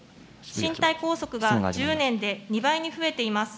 身体拘束が１０年で２倍に増えています。